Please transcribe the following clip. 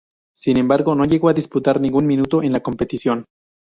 Sin embargo, no llegó a disputar ningún minuto en la competición.